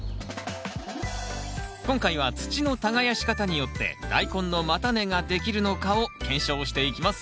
今回は土の耕し方によってダイコンの叉根ができるのかを検証していきます